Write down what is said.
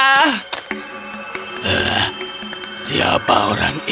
dia melihat sekeliling tapi hanya bisa menemukan perangku